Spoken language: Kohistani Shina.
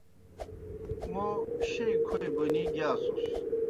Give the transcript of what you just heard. موْ شیئی کھوئی بونی گِیاسُس۔